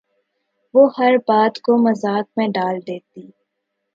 وہ ہر بات کو مذاق میں ٹال دیتی